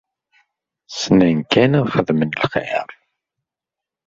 Ssnen kan ad xedmen lxir.